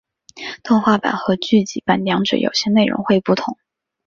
动画版和剧集版两者有些内容会不同。